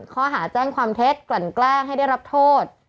ข้อหาแจ้งความเท็จกลั่นแกล้งให้ได้รับโทษ